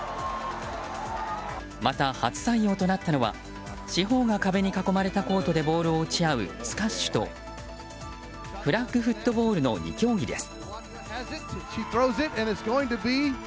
また初採用となったのは四方が壁に囲まれたコートでボールを打ち合うスカッシュとフラッグフットボールの２競技です。